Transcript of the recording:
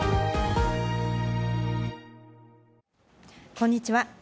こんにちは。